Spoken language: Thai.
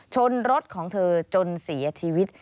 ชนรถของเธอจนเสียชีวิต